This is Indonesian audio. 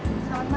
selamat malam mas